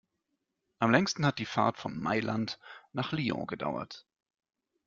Am längsten hat die Fahrt von Mailand nach Lyon gedauert.